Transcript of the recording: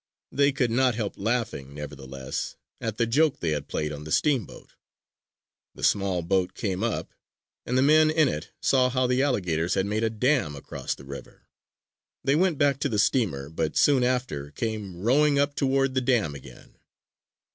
They could not help laughing, nevertheless, at the joke they had played on the steamboat! The small boat came up, and the men in it saw how the alligators had made a dam across the river. They went back to the steamer, but soon after, came rowing up toward the dam again.